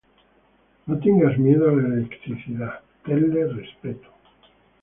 No tengas miedo a la electricidad, tenle respeto.